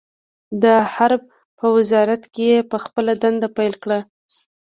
د حرب په وزارت کې يې خپله دنده پیل کړه.